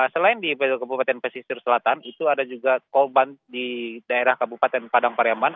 selain di kabupaten pesisir selatan itu ada juga korban di daerah kabupaten padang pariaman